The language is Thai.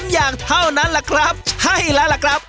๓อย่างเท่านั้นแหละครับใช่แล้วล่ะครับ